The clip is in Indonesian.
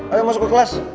ayo masuk ke kelas